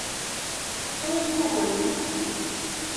Sɛuẓẓugent.